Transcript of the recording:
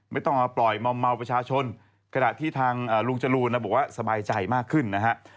ไม่ต้องมาปล่อยมอมเมาประชาชนขณะที่ทางลุงจรูนบอกว่าสบายใจมากขึ้นนะฮะ